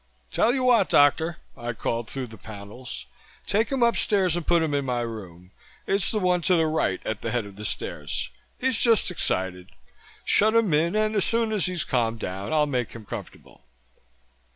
"Tell you what, doctor," I called through the panels. "Take him upstairs and put him in my room. It's the one to the right at the head of the stairs. He's just excited. Shut him in and as soon as he's calmed down I'll make him comfortable."